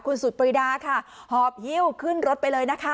คุณสุดปรีดาค่ะหอบฮิ้วขึ้นรถไปเลยนะคะ